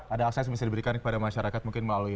ada akses yang bisa diberikan kepada masyarakat mungkin melalui